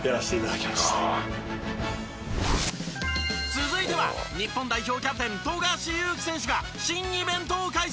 続いては日本代表キャプテン富樫勇樹選手が新イベントを開催。